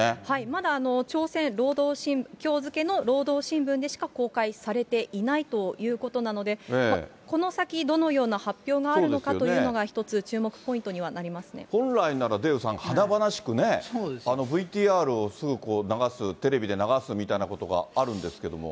まだ朝鮮、きょう付けの朝鮮労働新聞でしか公開されていないということなので、この先、どのような発表があるのかということが、一つ注目ポ本来なら、デーブさん、華々しくね、ＶＴＲをすぐこう、流す、テレビで流すみたいなことがあるんですけれども。